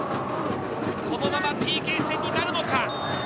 このままＰＫ戦になるのか？